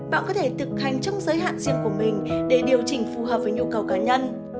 bạn có thể thực hành trong giới hạn riêng của mình để điều chỉnh phù hợp với nhu cầu cá nhân